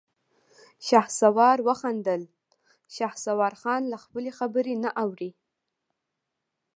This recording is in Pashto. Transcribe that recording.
شهسوار وخندل: شهسوارخان له خپلې خبرې نه اوړي.